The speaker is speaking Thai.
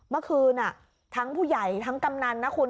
เมื่อคืนทั้งผู้ใหญ่ทั้งกำนันนะคุณ